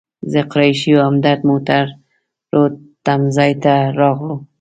زه، قریشي او همدرد موټرو تم ځای ته راغلو.